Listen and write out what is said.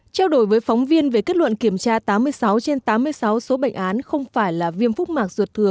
trao đổi với phóng viên về kết luận kiểm tra tám mươi sáu trên tám mươi sáu số bệnh án không phải là viêm phúc mạc ruột thừa